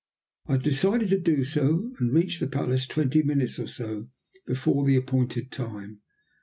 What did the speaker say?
I decided to do so, and I reached the palace twenty minutes or so before the appointed time.